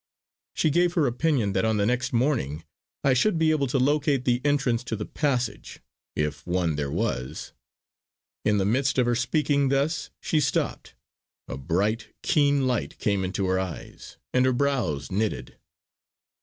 She gave her opinion that on the next morning I should be able to locate the entrance to the passage, if one there was. In the midst of her speaking thus she stopped; a bright, keen light came into her eyes, and her brows knitted.